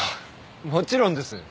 もちろんです。